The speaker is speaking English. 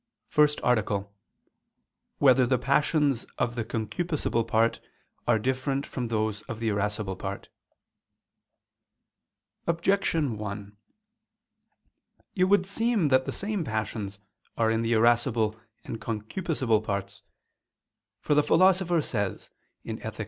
________________________ QUESTION 23 Whether the Passions of the Concupiscible Part Are Different from Those of the Irascible Part? Objection 1: It would seem that the same passions are in the irascible and concupiscible parts. For the Philosopher says (Ethic.